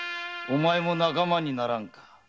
お前も仲間にならんか。